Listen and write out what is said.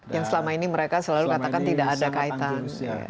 yang selama ini mereka selalu katakan tidak ada kaitan